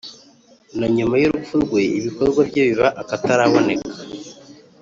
na nyuma y’urupfu rwe, ibikorwa bye biba akataraboneka.